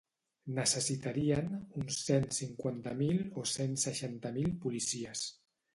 Necessitarien uns cent cinquanta mil o cent seixanta mil policies.